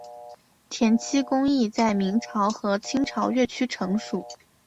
填漆工艺在明朝和清朝越趋成熟。